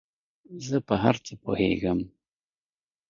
زۀ په هر څه پوهېږم